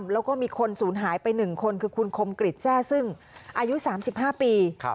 แล้วก็มีคนศูนย์หายไป๑คนคือคุณคมกริจแทร่ซึ่งอายุ๓๕ปี